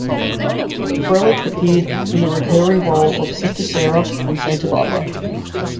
Frelich appeared in the recurring role of Sister Sarah on "Santa Barbara".